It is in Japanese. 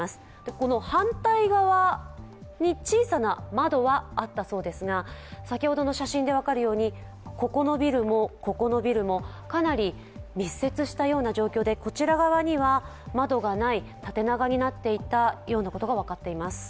この反対側に小さな窓はあったそうですが、先ほどの写真で分かるように、ここのビルも、ここのビルも、かなり密接したような状況で、こちら側には窓がない縦長になっていたことが分かっています。